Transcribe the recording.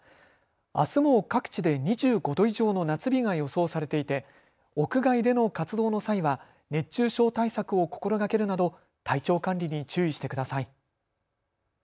あすも各地で２５度以上の夏日が予想されていて屋外での活動の際は熱中症対策を心がけるなど体調管理に注意してください。